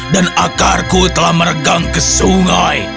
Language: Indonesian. dan akarku telah meregang ke sungai